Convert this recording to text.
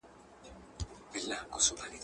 هغه وايي چي زموږ د مدنیت چاپېریال و ښځو ته